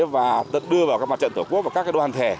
và tận đưa vào các mặt trận thổ quốc và các đoàn thể